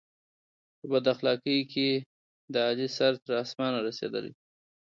په بد اخلاقی کې د علي سر تر اسمانه رسېدلی دی.